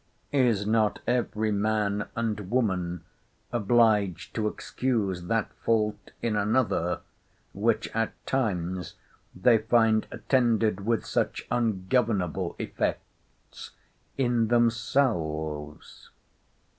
Is not every man and woman obliged to excuse that fault in another, which at times they find attended with such ungovernable effects in themselves?